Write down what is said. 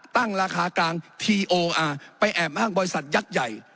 ตั้งราคากลางทีโอไปแอบอ้างบริษัทยักษ์ใหญ่